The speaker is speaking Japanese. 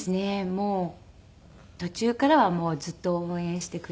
もう途中からはずっと応援してくれていました。